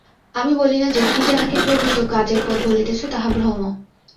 আমি বলি না যে, তুমি যাহাকে প্রকৃত কাজের পথ বলিতেছ, তাহা ভ্রম।